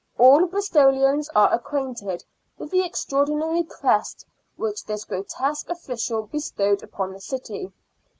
All Bristolians are acquainted with the extraordinary crest which this grotesque official bestowed upon the city.